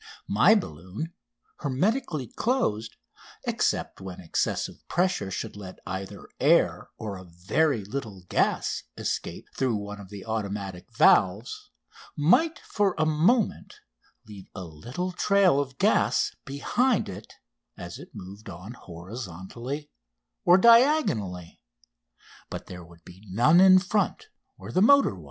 My balloon, hermetically closed, except when excessive pressure should let either air or a very little gas escape through one of the automatic valves, might for a moment leave a little trail of gas behind it as it moved on horizontally or diagonally, but there would be none in front where the motor was.